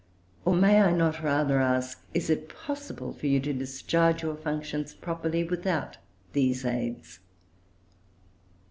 Or may I not rather ask, is it possible for you to discharge your functions properly without these aids?